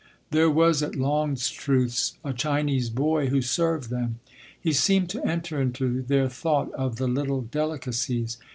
There was at Longstruth’s a Chinese boy who served them. He seemed to enter into their thought of the little delicacies.